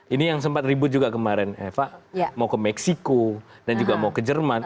ini yang sempat ribut juga kemarin eva mau ke meksiko dan juga mau ke jerman